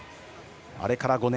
あれから５年。